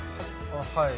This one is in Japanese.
はい。